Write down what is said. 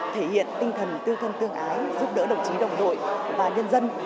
thể hiện tinh thần tương thân tương ái giúp đỡ đồng chí đồng đội và nhân dân